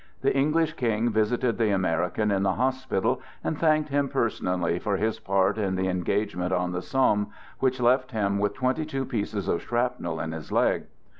The English King visited the American in the hospital and thanked him person ally for his part in the engagement on the Somme, which left him with twenty two pieces of shrapnel in his leg.